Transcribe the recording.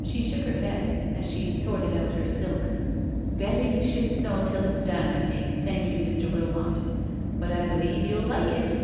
She shook her head as she sorted out her silks. '* Better you shouldn't know till it's done, I think, thank you, Mr. Wilmot. But I believe you'll like it."